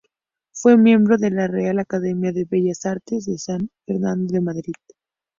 Fue miembro de la Real Academia de Bellas Artes de San Fernando de Madrid.